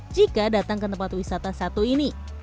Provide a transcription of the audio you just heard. jika datang ke tempat wisata satu ini